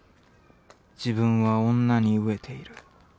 自分は女に餓えている。